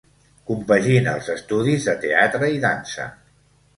Compagina els estudis de teatre i dansa.